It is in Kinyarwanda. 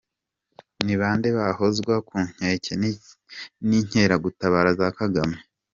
– Ni bande bahozwa ku nkeke n’inkeragutabara za Kagame?